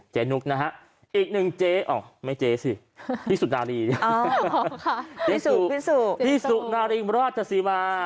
เจ๊นุกนะฮะอีกนึงเจ๊อ่อไม่เจ๊สิพี่สุนารีพี่สุนารีมราชาษีวา